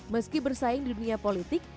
meski bersaing di dunia politik